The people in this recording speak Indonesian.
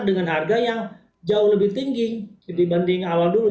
dengan harga yang jauh lebih tinggi dibanding awal dulu